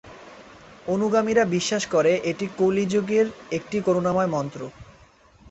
অনুগামীরা বিশ্বাস করে, এটি কলি যুগের একটি করুনাময় মন্ত্র।